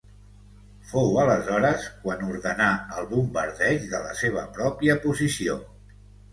Fou aleshores quan ordenà el bombardeig de la seva pròpia posició.